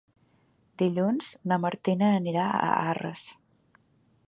Dilluns na Martina anirà a Arres.